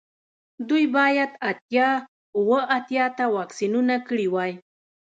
دوی باید اتیا اوه اتیا ته واکسینونه کړي وای